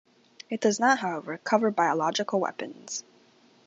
It does not, however, cover biological weapons.